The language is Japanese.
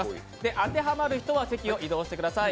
当てはまる人は席を移動してください。